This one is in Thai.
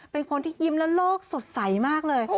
เป็นคนที่ยิ้มและโลกสดใสมากเลย